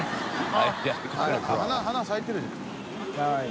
花咲いてるじゃん。